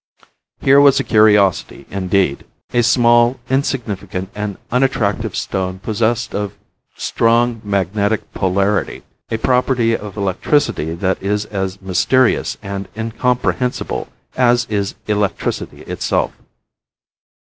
Here was a curiosity, indeed; a small, insignificant and unattractive stone possessed of strong magnetic polarity, a property of electricity that is as mysterious and incomprehensible as is electricity itself.